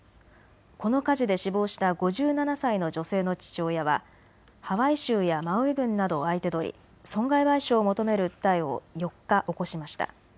この火事で死亡した５７歳の女性の父親はハワイ州やマウイ郡などを相手取り損害賠償を求める訴えを４日、起こしました。